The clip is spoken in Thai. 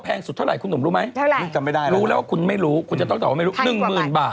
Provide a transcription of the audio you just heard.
บางทีแกผัดแล้วไฟแกพุ่งขึ้นมา